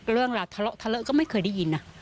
เรื่องราวทะเลาะก็ไม่เคยได้ยินนะ